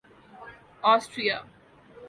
Austria